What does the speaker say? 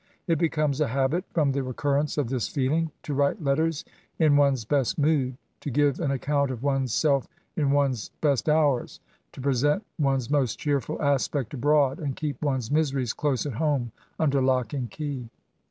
It becomes a habit, from the recurrence of this feeling, to write letters in one's best mood ; to give an account of one's self in one's best hours ; to present one's most cheerful aspect abroad, and keep one's miseries close at home, under lock and key.